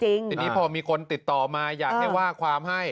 ทีนี้พอมีคนติดต่อมาอยากให้ว่าความให้